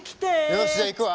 よしじゃあ行くわ。